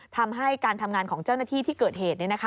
ทำให้การทำงานของเจ้าหน้าที่ที่เกิดเหตุ